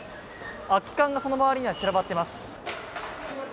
空き缶がその周りには散らばっています。